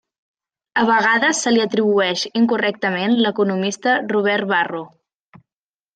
A vegades se li atribueix incorrectament l'economista Robert Barro.